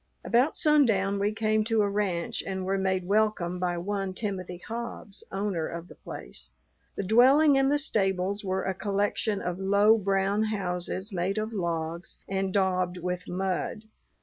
About sundown we came to a ranch and were made welcome by one Timothy Hobbs, owner of the place. The dwelling and the stables were a collection of low brown houses, made of logs and daubed with mud.